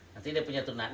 nanti dia punya keturunan